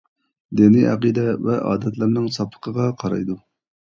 دىنىي ئەقىدە ۋە ئادەتلەرنىڭ ساپلىقىغا قارايدۇ.